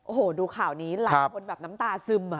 โอ้โหดูข่าวนี้หลายคนแบบน้ำตาซึม